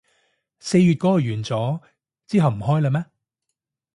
四月嗰個完咗，之後唔開喇咩